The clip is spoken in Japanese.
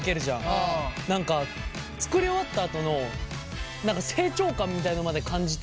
何か作り終わったあとの何か成長感みたいのまで感じて。